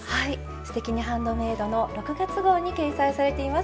「すてきにハンドメイド」の６月号に掲載されています。